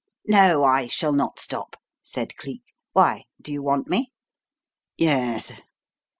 "No, I shall not stop," said Cleek. "Why? Do you want me?" "Yes.